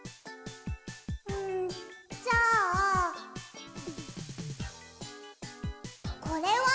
んじゃあこれは？